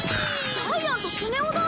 ジャイアンとスネ夫だ！